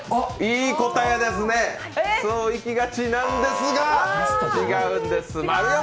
いい答えですね、そういきがちなんですが違うんです。